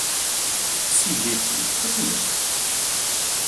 Sie lebt in Köpenick.